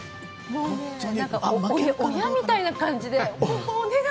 親みたいな感じでお願い！